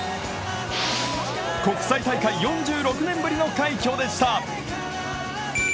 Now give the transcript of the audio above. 国際大会４６年ぶりの快挙でした。